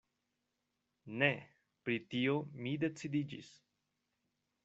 Ne! Pri tio mi decidiĝis.